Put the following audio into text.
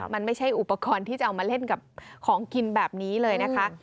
มันไม่ใช่อุปกรณ์ที่จะเอามาเล่นกับของกินแบบนี้เลยนะคะ